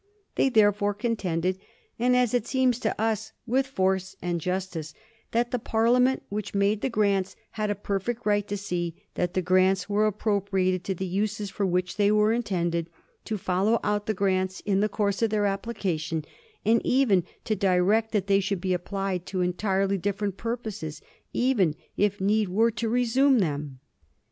They therefore contended, and, as it seems to us, with force and justice, that the Parliament which made the grants had a perfect right to see that the grants were ap propriated to the uses for which they were intended, to follow out the grants in the course of their application, and even to direct that they should be applied to entirely different purposes ; even, if need were, to resume them.